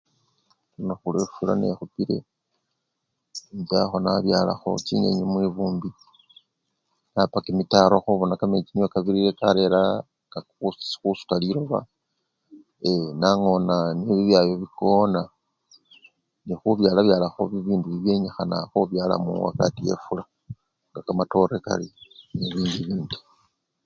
Lunakhu lwefula ngekhupile inchakho nabyalakho chinyenyi mwibumbi napa kimitaro khubona kamechi nekabirire karera uusisi khusuta liloba eee nangona nyo bibyayo bikoona nekhubyala byalakho bibindu bibyenyikhana khubyalakho wakati yefula nga kamatore kari nebindubindi.